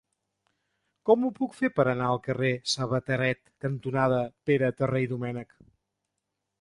Com ho puc fer per anar al carrer Sabateret cantonada Pere Terré i Domènech?